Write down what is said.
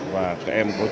và các em có thể